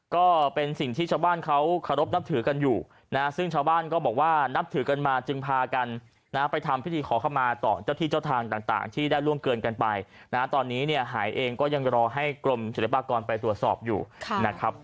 ก็เป็นสิ่งที่ชาวบ้านเขาเคารพนับถือกันอยู่นะซึ่งชาวบ้านก็บอกว่านับถือกันมาจึงพากันนะไปทำพิธีขอเข้ามาต่อเจ้าที่เจ้าทางต่างที่ได้ล่วงเกินกันไปนะตอนนี้เนี่ยหายเองก็ยังรอให้กรมศิลปากรไปตรวจสอบอยู่นะครับ